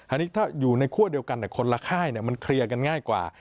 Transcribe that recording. อันนี้ถ้าอยู่ในคั่วเดียวกันแต่คนละค่ายมันเคลียร์กันง่ายกว่า